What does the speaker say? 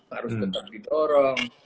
harus tetap didorong